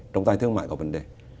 trọng tài thương mại có vấn đề